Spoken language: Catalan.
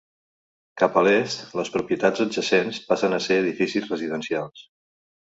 Cap a l'est, les propietats adjacents passen a ser edificis residencials.